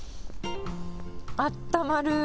あったまる。